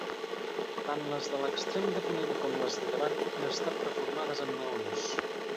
Tant les de l'extrem de ponent com les de llevant han estat reformades amb maons.